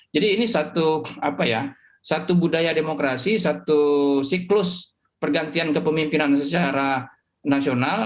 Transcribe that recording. jadi ini satu budaya demokrasi satu siklus pergantian kepemimpinan secara nasional